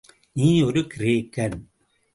நீ ஒரு கிரேக்கன்.